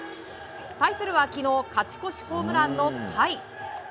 対するは昨日勝ち越しホームランの甲斐。